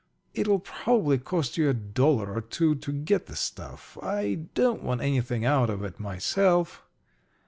It'll probably cost you a dollar or two to get the stuff. I don't want anything out of it myself."